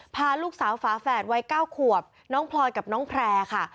พาลูกสาวฝาแฝดวัย๙ขวบน้องพลอยกับน้องแพร่ค่ะ